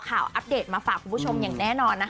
เพราะว่ามีเพื่อนซีอย่างน้ำชาชีระนัทอยู่เคียงข้างเสมอค่ะ